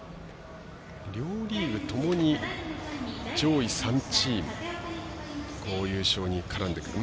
両リーグともに上位３チームが優勝に絡んでくる。